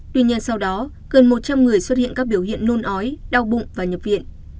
tuy nhiên sau đó gần một trăm linh người xuất hiện các biểu hiện nôn ói đau bụng và nhập viện